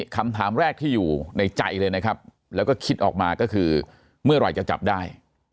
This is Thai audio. คำถามแรกที่อยู่ในใจเลยนะครับแล้วก็คิดออกมาก็คือเมื่อไหร่จะจับได้